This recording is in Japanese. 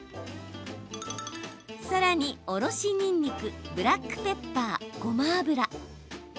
さらに、おろしにんにくブラックペッパー、ごま油。